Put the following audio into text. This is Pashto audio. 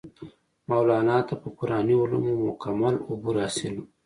مولانا ته پۀ قرآني علومو مکمل عبور حاصل وو